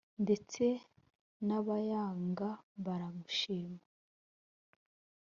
ndetse n’abayanga baragushima